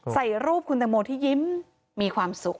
ใส่รูปคุณตังโมที่ยิ้มมีความสุข